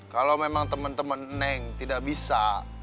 kalo memang temen temen neng tidak bisa